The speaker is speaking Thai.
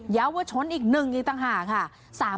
ยาววเวอร์ชนอีก๑อีกต่างหากฮะ